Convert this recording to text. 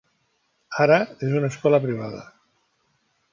Ara és una escola privada.